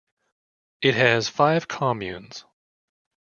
It has five communes.